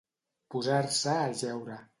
Posar-se a jeure.